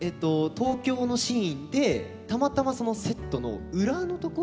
東京のシーンでたまたまセットの裏のところに。